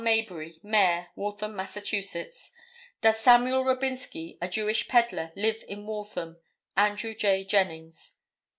Mayberry, Mayor, Waltham, Mass.—Does Samuel Robinsky, a Jewish peddler, live in Waltham? Andrew J. Jennings."